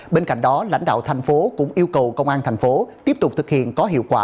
bên cạnh đó lãnh đạo thành phố cũng yêu cầu công an thành phố tiếp tục thực hiện có hiệu quả